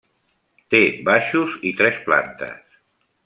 Té baixos i tres plantes.